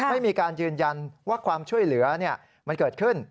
ไม่มีการยืนยันว่าความช่วยเหลือมันเกิดขึ้น